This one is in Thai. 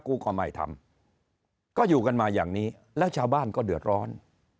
ก็ไม่ทำก็อยู่กันมาอย่างนี้แล้วชาวบ้านก็เดือดร้อน